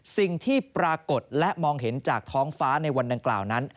สิ่งที่ปรากฏและมองเห็นจากท้องฟ้าในวันดังกล่าวนั้น